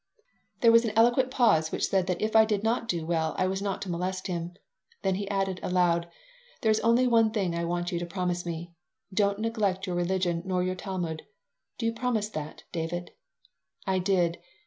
There was an eloquent pause which said that if I did not do well I was not to molest him. Then he added, aloud: "There is only one thing I want you to promise me. Don't neglect your religion nor your Talmud. Do you promise that, David?" I did.